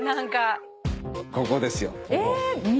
ここですよ。